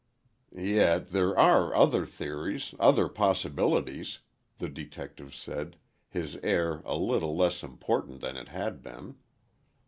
"Yet there are other theories, other possibilities," the detective said, his air a little less important than it had been.